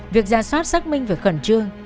việc gia soát xác minh về khẩn trương